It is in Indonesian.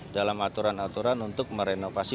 dalam aturan aturan untuk merenovasi